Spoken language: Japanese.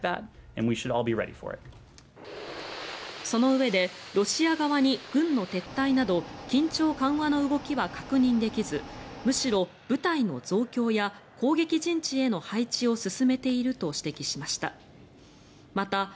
そのうえでロシア側に軍の撤退など緊張緩和の動きは確認できずむしろ部隊の増強や攻撃陣地への配置を進めていると指摘しました。